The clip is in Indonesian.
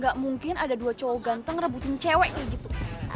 gak mungkin ada dua cowok ganteng rebutin cewek kayak gitu